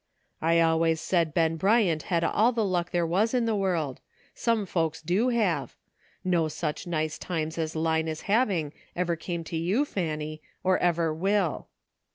''I always said Ben Bryant had all the luck there was in the world; some folks do have. No such nice times as Line is having ever came to you, Fanny, or ever will."